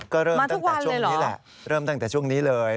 ก็เริ่มตั้งแต่ช่วงนี้แหละเริ่มตั้งแต่ช่วงนี้เลย